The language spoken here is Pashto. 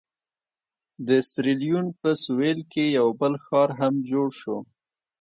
د سیریلیون په سوېل کې یو بل ښار هم جوړ شو.